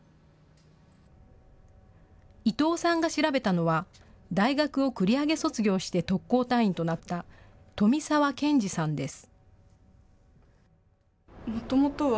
伊藤さんが調べたのは大学を繰り上げ卒業して特攻隊員となった富澤健児さんです。